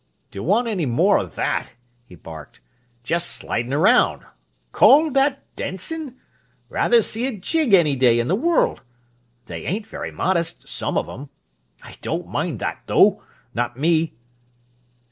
"D'want 'ny more o' that!" he barked. "Just slidin' around! Call that dancin'? Rather see a jig any day in the world! They ain't very modest, some of 'em. I don't mind that, though. Not me!"